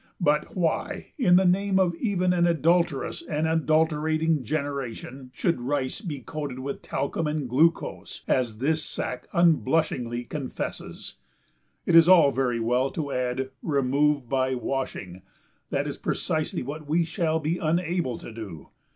But why, in the name even of an adulterous and adulterating generation, should rice be "coated with talcum and glucose," as this sack unblushingly confesses? It is all very well to add "remove by washing"; that is precisely what we shall be unable to do.